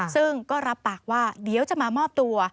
ซึ่งก็รับปากว่าเดี๋ยวจะมามอบตัว